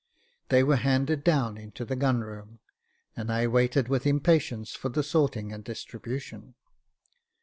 They were handed down into the gun room, and I waited with impatience for the sorting and distribution.